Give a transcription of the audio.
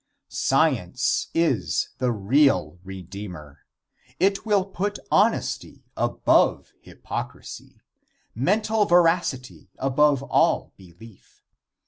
Science is the real redeemer. It will put honesty above hypocrisy; mental veracity above all belief.